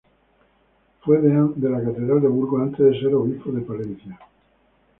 Fue deán de la Catedral de Burgos antes de ser Obispo de Palencia.